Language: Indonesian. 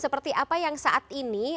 seperti apa yang saat ini